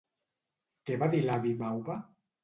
Què va dir l'avi Mauva?